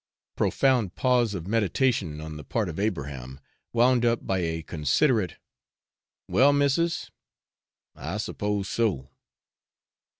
Profound pause of meditation on the part of Abraham, wound up by a considerate 'Well, missis, I suppose so.'